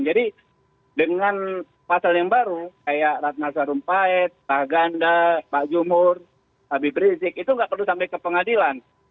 jadi dengan pasal yang baru kayak ratna zarumpayat pak ganda pak jumhor abib rizik itu tidak perlu sampai ke pengadilan